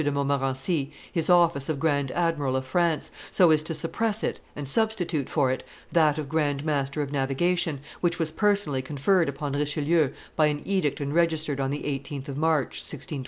de Montmorency his office of grand admiral of France, so as to suppress it and substitute for it that of grand master of navigation, which was personally conferred upon Richelieu by an edict enregistered on the 18th of March, 1627 .